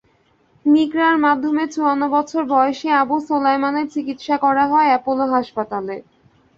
মিক্রার মাধ্যমে চুয়ান্ন বছর বয়সী আবু সোলায়মানের চিকিৎসা করা হয় অ্যাপোলো হাসপাতালে।